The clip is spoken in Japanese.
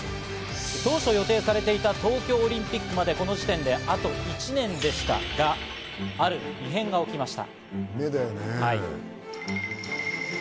当初予定されていた東京オリンピックまでこの時点であと１年でしたがある異変が起きました。